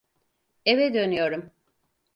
Eve dönüyorum.